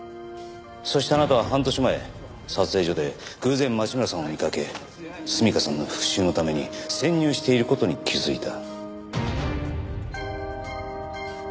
そしてあなたは半年前撮影所で偶然町村さんを見かけ純夏さんの復讐のために潜入している事に気づいた。